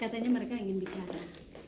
katanya mereka ingin bicara